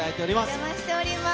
お邪魔しております。